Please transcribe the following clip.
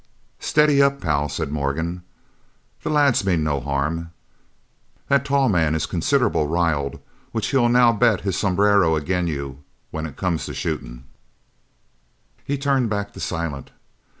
"Steady up, pal," said Morgan, "the lads mean no harm. That tall man is considerable riled; which he'll now bet his sombrero agin you when it comes to shootin'." He turned back to Silent.